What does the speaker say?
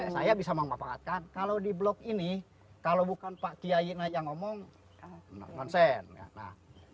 saya bisa memanfaatkan kalau di blok ini kalau bukan pak kiai yang ngomong konsen